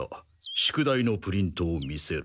宿題のプリントを見せろ。